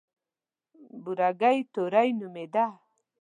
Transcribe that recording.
بورګۍ توړۍ نومېده.